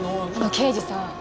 刑事さん。